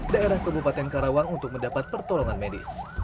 daerah kabupaten karawang untuk mendapat pertolongan medis